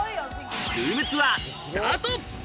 ルームツアースタート。